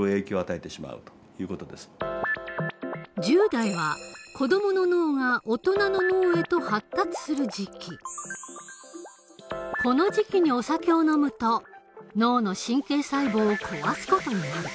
１０代は子どもの脳が大人の脳へとこの時期にお酒を飲むと脳の神経細胞を壊す事になる。